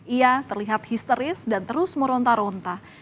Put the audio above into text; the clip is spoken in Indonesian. ia terlihat histeris dan terus meronta ronta